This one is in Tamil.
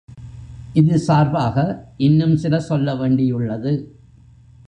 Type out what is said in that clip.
இது சார்பாக இன்னும் சில சொல்ல வேண்டியுள்ளது.